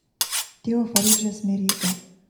Tio fariĝas miriga.